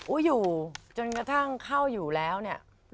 อยู่จนกระทั่งเข้าอยู่แล้วเนี่ย